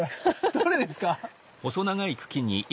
どれですか？